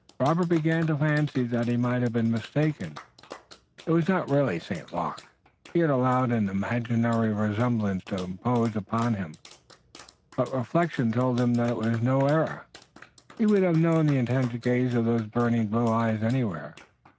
Robert began to fancy that he might have been mistaken, it was not really St. Luc, he had allowed an imaginary resemblance to impose upon him, but reflection told him that it was no error. He would have known the intense gaze of those burning blue eyes anywhere.